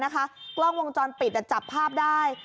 กล้องวงจรปิดจับภาพได้